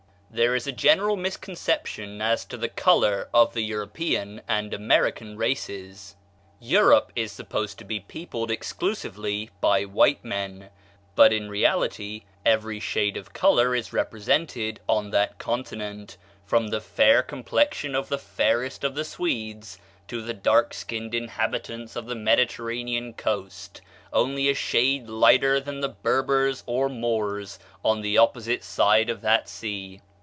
There is a general misconception as to the color of the European and American races. Europe is supposed to be peopled exclusively by white men; but in reality every shade of color is represented on that continent, from the fair complexion of the fairest of the Swedes to the dark skinned inhabitants of the Mediterranean coast, only a shade lighter than the Berbers, or Moors, on the opposite side of that sea.